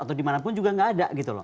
atau dimanapun juga nggak ada gitu loh